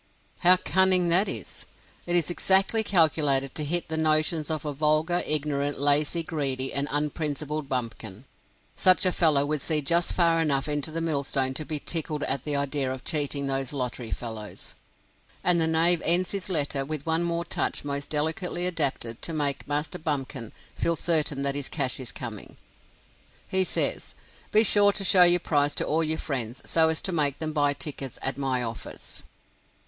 How cunning that is! It is exactly calculated to hit the notions of a vulgar, ignorant, lazy, greedy, and unprincipled bumpkin. Such a fellow would see just far enough into the millstone to be tickled at the idea of cheating those lottery fellows. And the knave ends his letter with one more touch most delicately adapted to make Master Bumpkin feel certain that his cash is coming. He says, "Be sure to show your prize to all your friends, so as to make them buy tickets at my office."